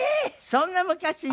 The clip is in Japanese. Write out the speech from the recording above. そんな昔に？